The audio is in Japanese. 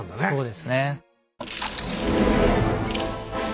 そうですね。